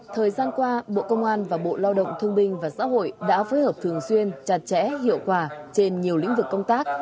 thời gian qua bộ công an và bộ lao động thương binh và xã hội đã phối hợp thường xuyên chặt chẽ hiệu quả trên nhiều lĩnh vực công tác